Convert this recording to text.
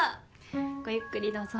・ごゆっくりどうぞ。